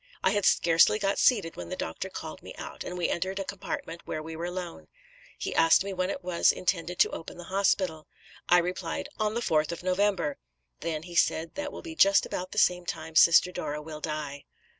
I had scarcely got seated when the doctor called me out, and we entered a compartment where we were alone. He asked me when it was intended to open the hospital. I replied, 'On the 4th of November.' 'Then,' he said, 'that will just be about the same time Sister Dora will die.'